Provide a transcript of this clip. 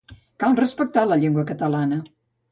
Cal respectar la llengua catalana.